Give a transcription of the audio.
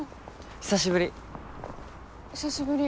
久しぶり。